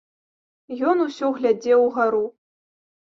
Ён усё глядзеў угару.